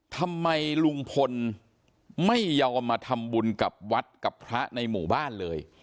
ทำไมลุงพลไม่ยอมมาทำบุญกับวัดกับพระในหมู่บ้านเลย